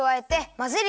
まぜる。